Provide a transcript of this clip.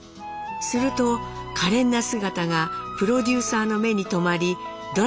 するとかれんな姿がプロデューサーの目に留まりドラマに出演。